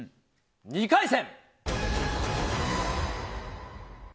２回戦！